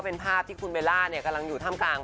เป็นภาพที่คุณเบระกำลังอยู่ท่ำกลาง